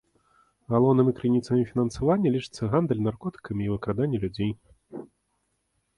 Галоўнымі крыніцамі фінансавання лічацца гандаль наркотыкамі і выкраданне людзей.